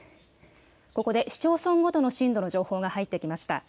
ここで市町村ごとの震度の情報が入ってきました。